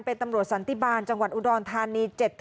เป็นตำรวจสันติบาลจังหวัดอุดรธานี